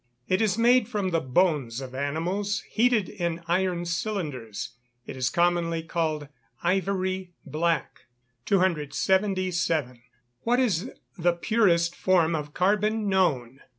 It is made from the bones of animals, heated in iron cylinders. It is commonly called ivory black. 277. _What is the purest form of carbon known?